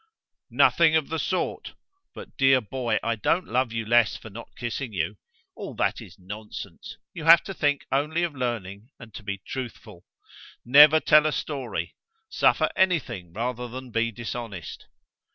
"Nothing of the sort. But, dear boy, I don't love you less for not kissing you. All that is nonsense: you have to think only of learning, and to be truthful. Never tell a story: suffer anything rather than be dishonest."